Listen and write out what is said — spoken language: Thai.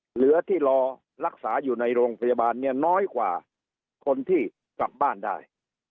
เหลือที่รอรักษาอยู่ในโรงพยาบาลเนี่ยน้อยกว่าคนที่กลับบ้านได้